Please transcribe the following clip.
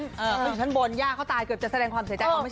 อยู่ชั้นบนย่าเขาตายเกือบจะแสดงความเสียใจเขาไม่ใช่